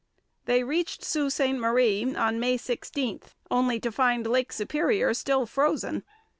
They reached Sault Ste Marie on May 16, only to find Lake Superior still frozen.